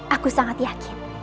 aku sangat yakin